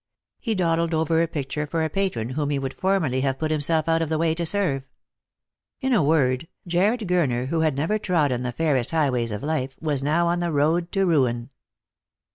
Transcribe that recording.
He dawdled over a picture for a patron whom he would formerly have put himself out of the way to serve. In a word, Jarred Gurner, who had never trodden the fairest high ways of life, was now on the road to ruin.